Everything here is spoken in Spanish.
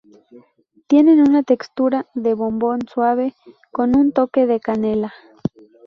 Tienen una textura de bombón suave con un toque de canela.